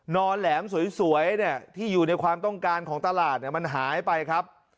แหลมสวยที่อยู่ในความต้องการของตลาดมันหายไปครับ